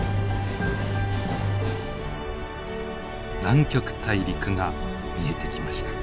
南極大陸が見えてきました。